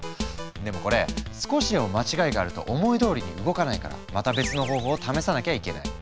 でもこれ少しでも間違いがあると思いどおりに動かないからまた別の方法を試さなきゃいけない。